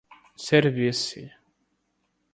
servir-se